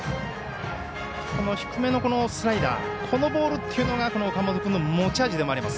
低めのスライダーこのボールというのが岡本君の持ち味でもあります。